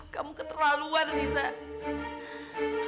kamu keterlaluan riza